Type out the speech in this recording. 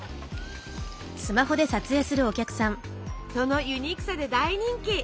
そのユニークさで大人気！